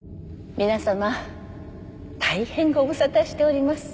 皆さま大変ご無沙汰しております。